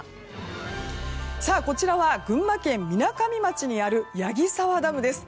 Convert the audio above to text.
こちらは群馬県みなかみ町にある矢木沢ダムです。